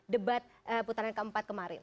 debat putaran keempat kemarin